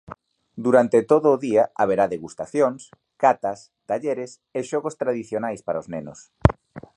Durante todo o día haberá degustacións, catas, talleres e xogos tradicionais para os nenos.